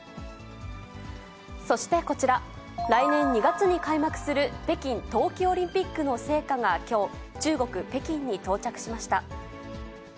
そしてこちら、来年２月に開幕する北京冬季オリンピックの聖火がきょう、中国・北京に到着しました。